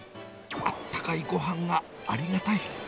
あったかいごはんがありがたい。